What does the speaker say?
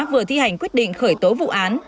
vừa thi hành quyết định khởi tố vụ án